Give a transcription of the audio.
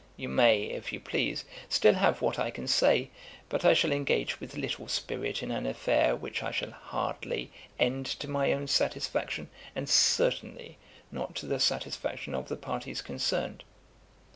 You may, if you please, still have what I can say; but I shall engage with little spirit in an affair, which I shall hardly end to my own satisfaction, and certainly not to the satisfaction of the parties concerned.